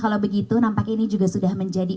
kalau begitu nampaknya ini juga sudah menjadi